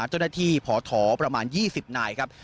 เจ้าหน้าที่พถประมาณ๒๐นายครับ